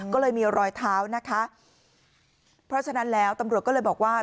ก็เลยมีรอยเท้านะคะเพราะฉะนั้นแล้วตำรวจก็เลยบอกว่า